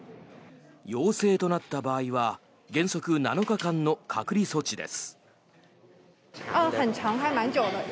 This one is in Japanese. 陽性となった場合は原則７日間の隔離措置です。